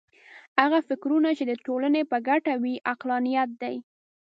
هغه فکرونه چې د ټولنې په ګټه وي عقلانیت دی.